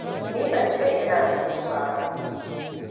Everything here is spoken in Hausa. Ni ban ce ina son zuwa ba.